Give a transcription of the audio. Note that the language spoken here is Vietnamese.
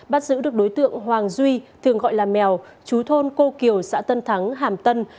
bắt giữ được đối tượng hoàng duy thường gọi là mèo chú thôn cô kiều xã tân thắng hàm tân